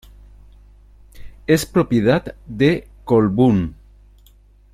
Es propiedad de Colbún.